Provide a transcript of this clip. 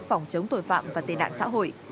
phòng chống tội phạm và tên đạn xã hội